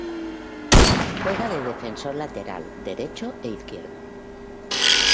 Juega de defensor lateral derecho e izquierdo.